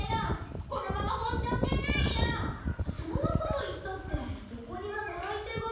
そんなこと言ったってどこにももらい手が。